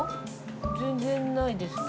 全然ないですね。